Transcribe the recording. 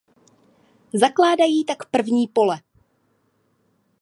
Zakládají tak první pole.